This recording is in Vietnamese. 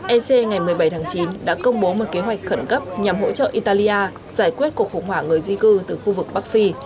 ec ngày một mươi bảy tháng chín đã công bố một kế hoạch khẩn cấp nhằm hỗ trợ italia giải quyết cuộc khủng hoảng người di cư từ khu vực bắc phi